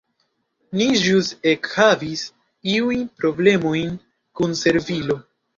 Ni ĵus ekhavis iujn problemojn kun servilo.